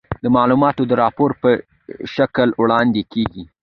دا معلومات د راپور په شکل وړاندې کیږي.